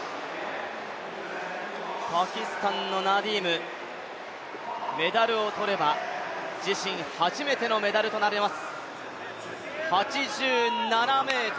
パキスタンのナディームメダルを取れば自身初めてのメダルとなります。